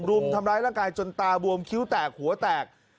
รุมทำร้ายร่างกายจนตาบวมคิ้วแตกหัวแตก